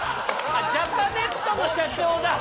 ジャパネットの社長だ！